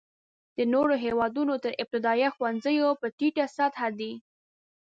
د نورو هېوادونو تر ابتدایه ښوونځیو په ټیټه سطحه دی.